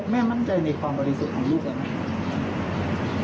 แม่มั่นใจในความบริสุทธิ์ของลูกเลยไหม